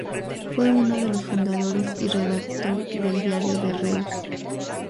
Fue uno de los fundadores y redactor del "Diario de Reus".